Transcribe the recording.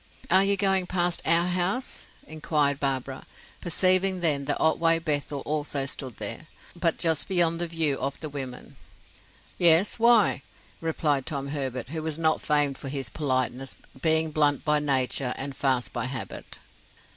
"Are you going past our house?" inquired Barbara, perceiving then that Otway Bethel also stood there, but just beyond the view of the women. "Yes. Why?" replied Tom Herbert, who was not famed for his politeness, being blunt by nature and "fast" by habit.